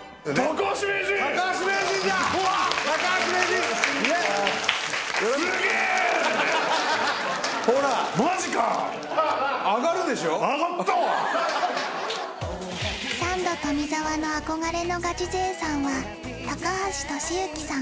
高橋名人が高橋名人サンド富澤の憧れのガチ勢さんは高橋利幸さん